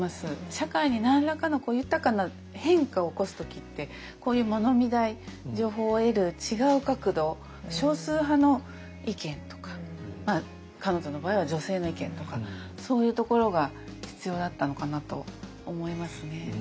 社会に何らかの豊かな変化を起こす時ってこういう物見台情報を得る違う角度少数派の意見とか彼女の場合は女性の意見とかそういうところが必要だったのかなと思いますね。